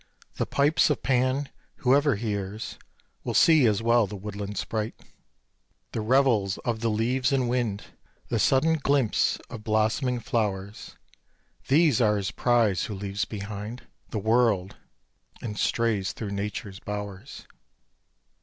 The pipes of Pan whoever hears Will see as well the woodland sprite. The revels of the leaves and wind, The sudden glimpse of blossoming flowers, These are his prize who leaves behind The world, and strays through Nature's bowers.